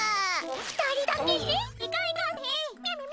２人だけね。